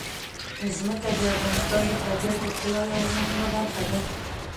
ځمکه د افغانستان د طبیعت د ښکلا یوه مهمه برخه ده.